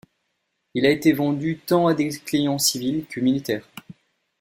Il a été vendu tant à des clients civils que militaires.